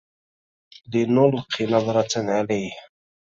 لنُلقِ نظرة عليه.